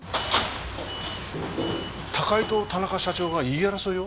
高井と田中社長が言い争いを？